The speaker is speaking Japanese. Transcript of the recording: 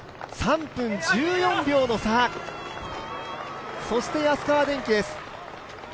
３分１４秒の差、そして安川電機です。